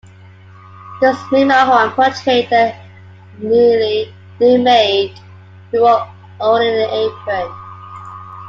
Doris McMahon portrayed a nearly nude maid who wore only an apron.